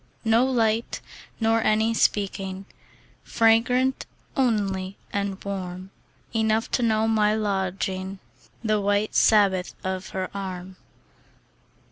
No light, nor any speaking; Fragrant only and warm. Enough to know my lodging, The white Sabbath of her arm.